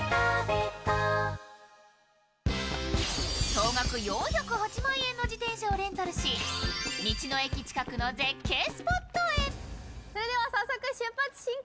総額４０８万円の自転車をレンタルし道の駅近くの絶景スポットへ。